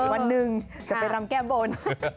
วันหนึ่งจะไปรำแก้บน